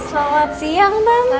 selamat siang tante